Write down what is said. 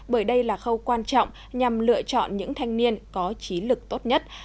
bởi đây là khâu quan trọng nhằm lựa chọn những thanh niên có trí lực tốt nhất